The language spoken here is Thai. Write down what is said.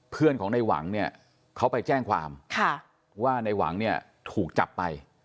เพื่อนของในหวังเนี่ยเขาไปแจ้งความว่าในหวังเนี่ยถูกจับไป